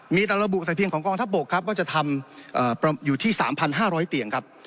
มีระบุแต่เพียงของกองทัพบกครับก็จะทำเอ่ออยู่ที่สามพันห้าร้อยเตียงครับ